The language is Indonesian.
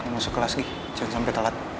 masuk kelas gi jangan sampe telat